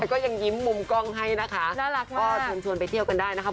แกก็ยังยิ้มมุมกล้องให้นะคะคุณชวนไปเที่ยวกันได้นะคะน่ารักค่ะ